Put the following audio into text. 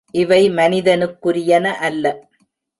இவை மனிதனுக்குரியன அல்ல.